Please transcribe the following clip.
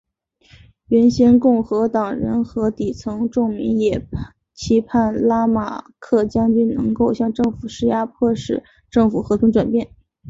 原先共和党人和底层民众也期盼拉马克将军能够向政府施压迫使政府和平转变。